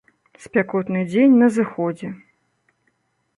Спякотны дзень на зыходзе.